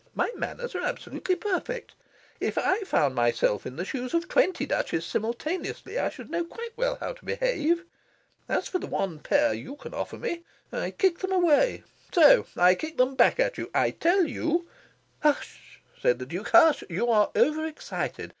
My manners are absolutely perfect. If I found myself in the shoes of twenty Duchesses simultaneously, I should know quite well how to behave. As for the one pair you can offer me, I kick them away so. I kick them back at you. I tell you " "Hush," said the Duke, "hush! You are over excited.